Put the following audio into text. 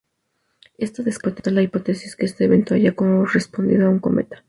Esto descarta la hipótesis que este evento haya correspondido a un cometa.